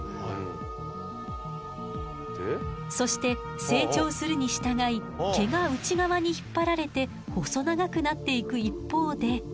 そして成長するに従い毛が内側に引っ張られて細長くなっていく一方で。